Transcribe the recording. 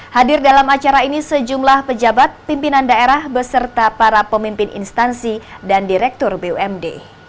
hadir dalam acara ini sejumlah pejabat pimpinan daerah beserta para pemimpin instansi dan direktur bumd